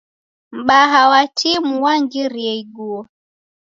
M'baa wa timu wangirie iguo